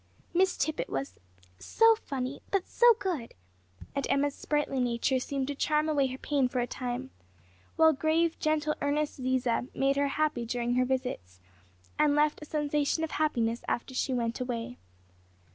Miss Tippet was "so funny but so good," and Emma's sprightly nature seemed to charm away her pain for a time; while grave, gentle, earnest Ziza made her happy during her visits, and left a sensation of happiness after she went away.